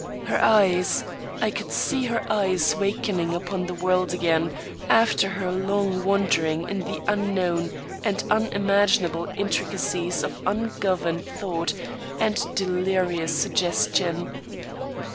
Her eyes I could see her eyes wakening upon the world again, after her long wandering in the unknown and unimaginable intricacies of ungoverned thought and delirious suggestion.